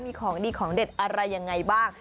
มีของดีของเด็ดอะไรยังไงบ้าง